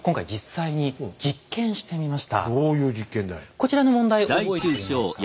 こちらの問題覚えていますか？